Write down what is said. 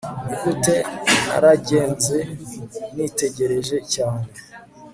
nigute, naragenze, nitegereje cyane